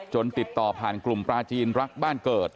ติดต่อผ่านกลุ่มปลาจีนรักบ้านเกิด